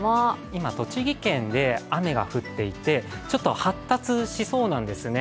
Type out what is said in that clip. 今、栃木県で雨が降っていて発達しそうなんですね。